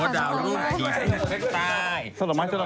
โอ้โหดาวรุ่งผีภูมิด้วย